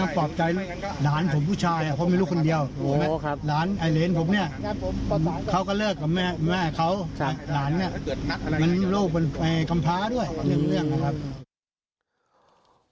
เค้าก็เลิกกับแม่เค้าหลานนี้เป็นลูกเป็นพระกำพละด้วย